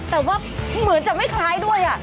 แต่ว่าเหมือนจะไม่คล้ายด้วย